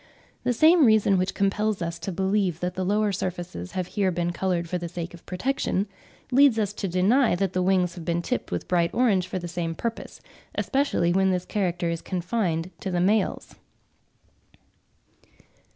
1868, p. 81.) The same reason which compels us to believe that the lower surfaces have here been coloured for the sake of protection, leads us to deny that the wings have been tipped with bright orange for the same purpose, especially when this character is confined to the males.